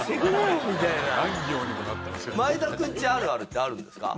前田君ちあるあるってあるんですか？